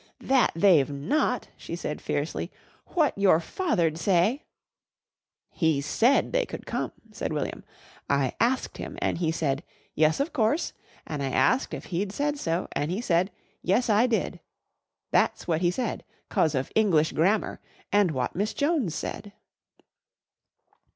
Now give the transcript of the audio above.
"That they've not!" she said fiercely. "What your father'd say " "He said they could come," said William. "I asked him an' he said 'Yes, of course,' an' I asked if he'd said so an' he said 'Yes, I did.' That's what he said 'cause of English Grammar an' wot Miss Jones said."